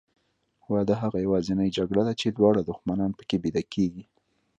واده هغه یوازینۍ جګړه ده چې دواړه دښمنان پکې بیده کېږي.